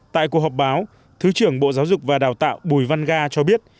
tại cuộc họp báo thứ trưởng bộ giáo dục và đào tạo bùi văn ga cho biết